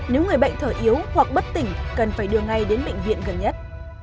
nếu người bệnh thở yếu hoặc bất tỉnh cần phải đưa ngay đến bệnh viện gần nhất